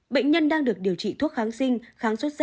bệnh nhân đang được điều trị thuốc kháng sinh kháng sốt z